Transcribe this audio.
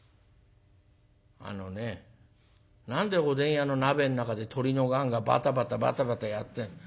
「あのね何でおでん屋の鍋の中で鳥の雁がバタバタバタバタやってんの。